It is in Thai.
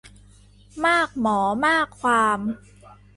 มากหมอมากความ